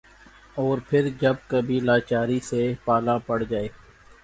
اور پھر جب کبھی لاچاری سے پالا پڑ جائے ۔